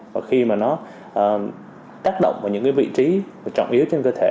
và khi mà nó tác động vào những vị trí trọng yếu trên cơ thể